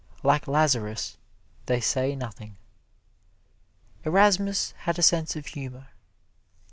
Like Lazarus, they say nothing. Erasmus had a sense of humor.